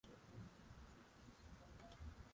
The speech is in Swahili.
tunakuombea maisha marefu na uendelee kutuongoza sote